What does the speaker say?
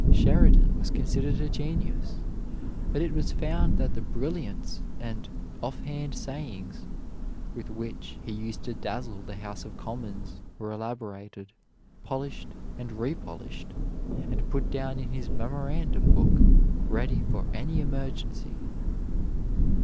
Sheridan was considered a genius, but it was found that the "brilliants" and "off hand sayings" with which he used to dazzle the House of Commons were elaborated, polished and repolished, and put down in his memorandum book ready for any emergency.